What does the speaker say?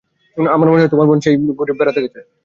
আমার মনে হয় তোমার বোন সেই বনে ঘুড়ি ওড়াতে গেছে।